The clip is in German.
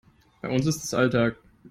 Bei uns ist das Alltag.